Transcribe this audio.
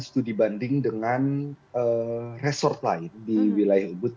studi banding dengan resort lain di wilayah ubud